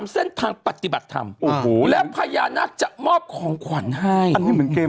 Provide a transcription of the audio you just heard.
แสงเหนือ